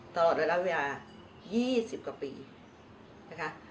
ตลอดระยะเวลา๒๐กว่าปีนะคะ